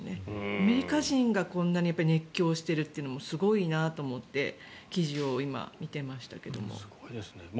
アメリカ人がこんなに熱狂してるってのもすごいなと思って記事を今、見ていましたけども。